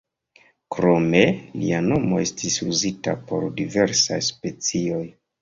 Krome lia nomo estis uzita por diversaj specioj.